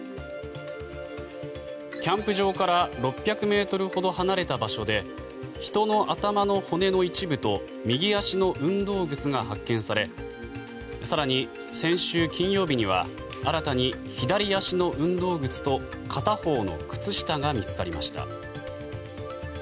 キャンプ場から６００ｍほど離れた場所で人の頭の骨の一部と右足の運動靴が発見され更に、先週金曜日には新たに左足の運動靴と片方の靴下が見つかりました。